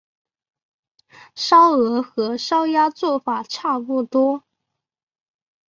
烧鹅和烧鸭做法差不多。